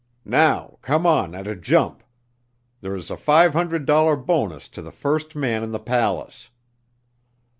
"Now, come on at a jump. There is a five hundred dollar bonus to the first man in the palace."